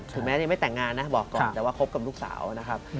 แม้ยังไม่แต่งงานนะบอกก่อนแต่ว่าคบกับลูกสาวนะครับ